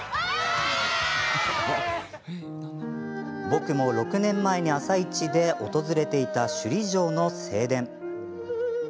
僕も６年前に「あさイチ」で訪れていた首里城の正殿。